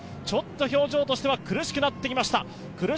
ちょっと表情としては苦しくなってきました。